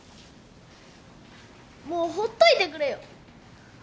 もうほっといてくれよ。